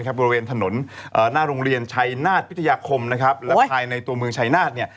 บริเวณถนนหน้าโรงเรียนชัยนาฏพิทยาคมและภายในตัวเมืองชายนาฏ